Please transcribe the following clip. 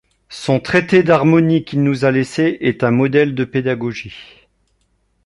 Son traité d'harmonie qu'il nous a laissé est un modèle de pédagogie.